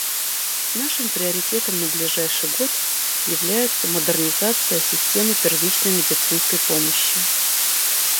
Нашим приоритетом на ближайший год является модернизация системы первичной медицинской помощи.